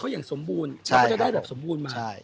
ชื่องนี้ชื่องนี้ชื่องนี้ชื่องนี้ชื่องนี้ชื่องนี้